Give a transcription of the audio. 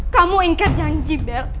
kamu ingkar janji bella